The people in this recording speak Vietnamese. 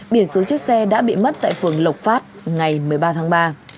biển số chiếc xe đã bị mất tại phường lộc phát ngày một mươi ba tháng ba